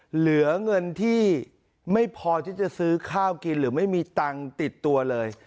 เหลือเงินที่ไม่พอที่จะซื้อข้าวกินหรือไม่มีตังค์ติดตัวเลย